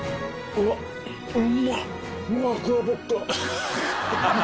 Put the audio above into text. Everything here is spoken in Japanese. うわうまっ！